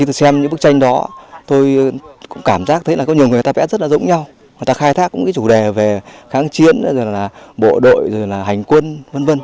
trong tranh đó tôi cũng cảm giác thấy là có nhiều người ta vẽ rất là giống nhau họ ta khai thác cũng cái chủ đề về kháng chiến bộ đội hành quân v v